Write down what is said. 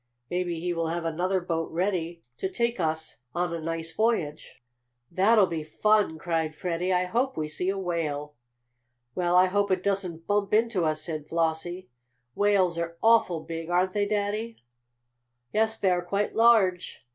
Maybe he will have another boat ready to take us on a nice voyage." "That'll be fun!" cried Freddie. "I hope we see a whale." "Well, I hope it doesn't bump into us," said Flossie. "Whales are awful big, aren't they, Daddy?" "Yes, they are quite large.